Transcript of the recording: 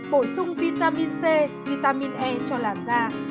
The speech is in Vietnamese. bổ sung vitamin c vitamin e cho làn da